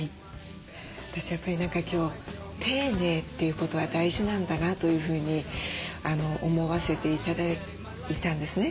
私はやっぱり何か今日丁寧ということは大事なんだなというふうに思わせて頂いたんですね。